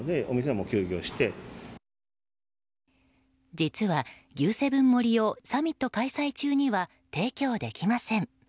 実は、Ｇ７盛をサミット開催中には提供できません。